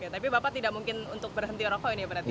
tapi bapak tidak mungkin untuk berhenti rokok ini berarti ya